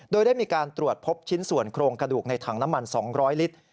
โดยได้มีการตรวจพบชิ้นส่วนโครงกระดูกในถังน้ำมัน๒๐๐ลิตร